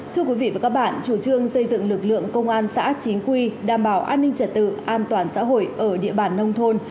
thưa quý vị và các bạn chủ trương xây dựng lực lượng công an xã chính quy đảm bảo an ninh trật tự an toàn xã hội ở địa bàn nông thôn